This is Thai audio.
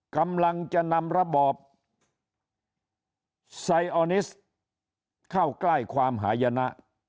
กำลังจะนำระบอบไซออนิสเข้าใกล้ความหายนะ